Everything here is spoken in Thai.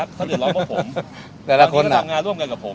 บางตอนมารหัฐงานร่วมกันกับผม